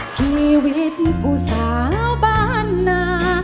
ชีวิตผู้สาวบ้านนา